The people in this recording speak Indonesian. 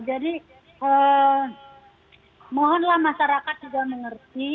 jadi mohonlah masyarakat juga mengerti